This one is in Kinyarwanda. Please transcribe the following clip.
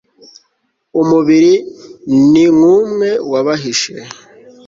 umubiri ni nk'umwe w'abashishe